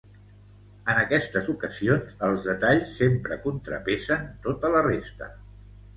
En aquestes ocasions els detalls sempre contrapesen tota la resta